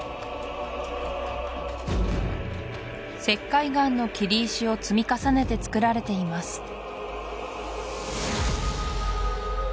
石灰岩の切り石を積み重ねて造られています